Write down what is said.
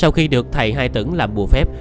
sau khi được thầy hai tửng làm bùa phép